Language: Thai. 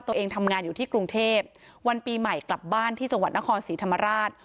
ตัวเองทำงานอยู่ที่กรุงเทพวันปีใหม่กลับบ้านที่จังหวัดนครศรีธรรมราช